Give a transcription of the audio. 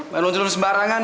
main lonjol lonjol sembarangan